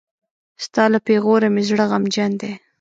ستا له پېغوره مې زړه غمجن دی.